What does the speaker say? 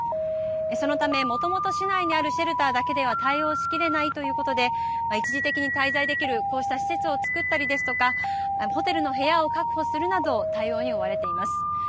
そのため、もともと市内にあるシェルターだけでは対応しきれないということで一時的に滞在できるこうした施設をつくったりですとかホテルの部屋を確保するなど対応に追われています。